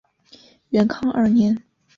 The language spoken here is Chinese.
元康二年。